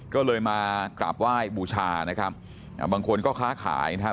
ก็เลยมากราบไหว้บูชานะครับอ่าบางคนก็ค้าขายนะฮะ